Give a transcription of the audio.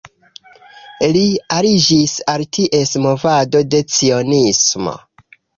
Li aliĝis al ties movado de Cionismo.